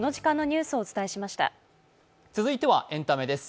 続いてはエンタメです。